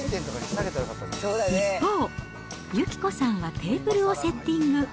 一方、幸子さんはテーブルをセッティング。